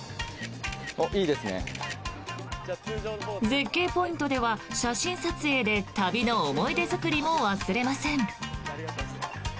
絶景ポイントでは写真撮影で旅の思い出作りも忘れません。